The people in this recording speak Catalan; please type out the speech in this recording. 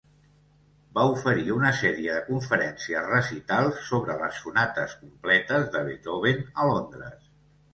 Va oferir una sèrie de conferències-recitals sobre les sonates completes de Beethoven a Londres.